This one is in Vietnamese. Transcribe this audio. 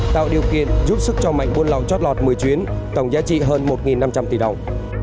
tạo điều kiện giúp sức cho mạnh buôn lậu chót lọt một mươi chuyến tổng giá trị hơn một năm trăm linh tỷ đồng